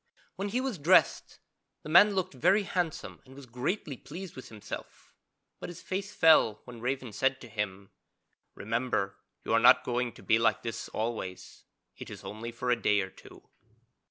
When he was dressed the man looked very handsome and was greatly pleased with himself. But his face fell when Raven said to him: 'Remember you are not going to be like this always; it is only for a day or two.'